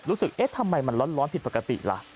เอ๊ะทำไมมันร้อนผิดปกติล่ะ